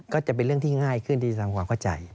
ก็จะเป็นเรื่องที่ง่ายขึ้นที่จะทำความเข้าใจ